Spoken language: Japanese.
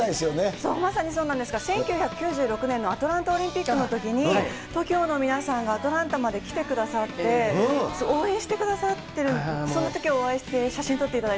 そう、まさにそうなんですが、１９９６年のアトランタオリンピックのときに、ＴＯＫＩＯの皆さんがアトランタまで来てくださって、応援してくださってる、そのときお会いして、写真撮っていただい